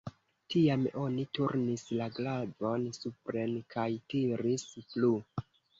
Tiam oni turnis la glavon supren kaj tiris plu.